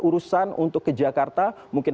urusan untuk ke jakarta mungkin